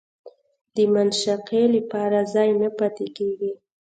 د مناقشې لپاره ځای نه پاتې کېږي